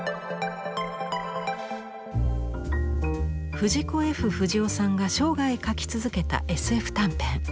藤子・Ｆ・不二雄さんが生涯描き続けた「ＳＦ短編」。